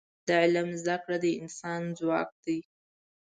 د علم زده کړه د انسان ځواک دی.